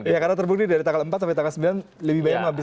ya karena terbukti dari tanggal empat sampai tanggal sembilan lebih banyak